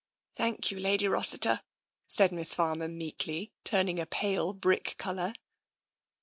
" Thank you. Lady Rossiter," said Miss Farmer meekly, turning a pale brick colour.